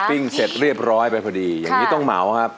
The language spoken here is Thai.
ปิ้งเสร็จเรียบร้อยไปพอดีอย่างนี้ต้องเหมาครับ